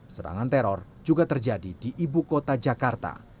serangan teror juga terjadi di ibu kota jakarta